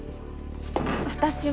私は。